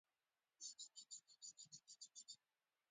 اسپایرلونه مارپیچ شکل لري.